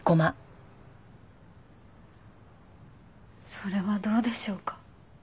それはどうでしょうか。